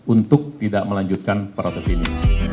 untuk tidak melanjutkan proses ini